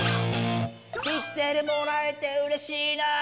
「ピクセルもらえてうれしいな」